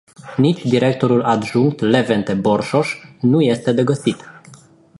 Nici directorul adjunct Levente Borșoș nu este de găsit.